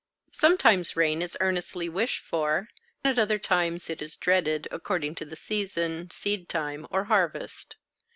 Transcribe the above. Sometimes rain is earnestly wished for, at other times it is dreaded, according to the season, seed time or harvest.